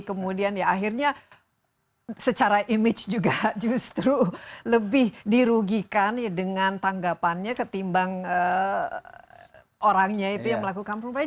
kemudian ya akhirnya secara image juga justru lebih dirugikan dengan tanggapannya ketimbang orangnya itu yang melakukan provokasi